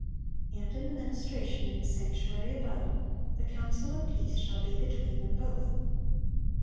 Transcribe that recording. (684) And in the ministration in the sanctuary above, "the counsel of peace shall be between Them both."